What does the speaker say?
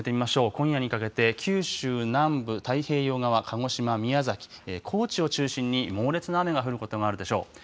今夜にかけて、九州南部、太平洋側、鹿児島、宮崎、高知を中心に猛烈な雨が降ることがあるでしょう。